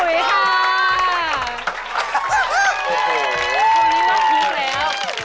คุณพี่พูดแล้ว